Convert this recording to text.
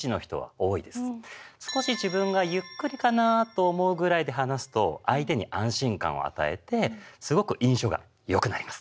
少し自分がゆっくりかなと思うぐらいで話すと相手に安心感を与えてすごく印象が良くなります。